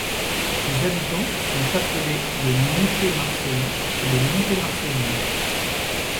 Ses habitants sont appelés les Montémarcelins et les Montémarcelines.